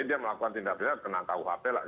jadi dia melakukan tindak pidana tenang tahu hp lah